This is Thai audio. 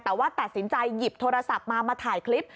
แต่ว่าตัดสินใจหยิบโทรศัพท์มามาถ่ายคลิป